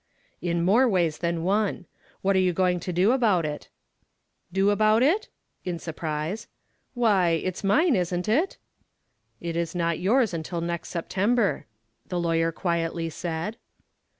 "In more ways than one. What are you going to do about it?" "Do about it?" in surprise. "Why, it's mine, isn't it?" "It is not yours until next September," the lawyer quietly said.